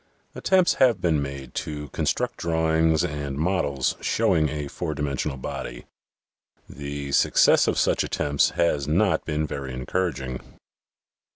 Attempts have been made to construct drawings and models showing a four dimensional body. The success of such attempts has not been very encouraging.